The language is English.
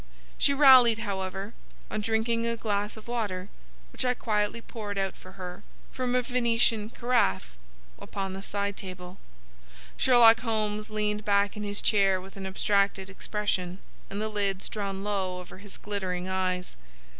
She rallied however, on drinking a glass of water which I quietly poured out for her from a Venetian carafe upon the side table. Sherlock Holmes leaned back in his chair with an abstracted expression and the lids drawn low over his glittering eyes.